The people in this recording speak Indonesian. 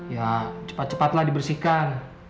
ya cepat cepatlah dibersihkan